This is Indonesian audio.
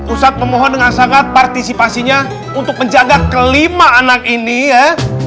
ustadz memohon dengan sangat partisipasinya untuk menjaga kelima anak ini ya